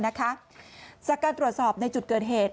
จากการตรวจสอบในจุดเกิดเหตุ